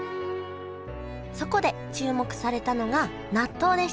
そこで注目されたのが納豆でした